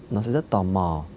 nó sẽ rất tò mò